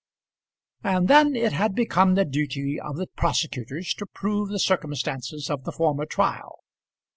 And then it had become the duty of the prosecutors to prove the circumstances of the former trial.